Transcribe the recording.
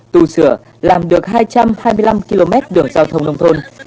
tu sửa làm được hai trăm hai mươi năm km đường giao thông nông thôn